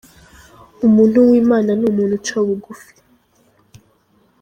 Umuntu w’Imana ni umuntu uca bugufi